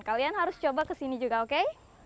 kalian harus coba kesini juga oke